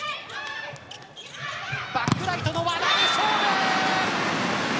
バックライトの和田で勝負。